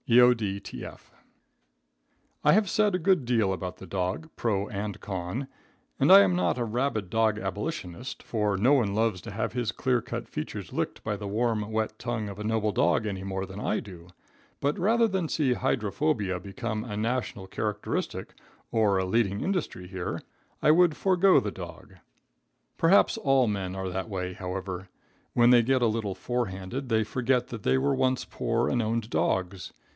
eod tf.) I have said a good deal about the dog, pro and con, and I am not a rabid dog abolitionist, for no one loves to have his clear cut features licked by the warm, wet tongue of a noble dog any more than I do, but rather than see hydrophobia become a national characteristic or a leading industry here, I would forego the dog. Perhaps all men are that way, however. When they get a little forehanded they forget that they were once poor, and owned dogs.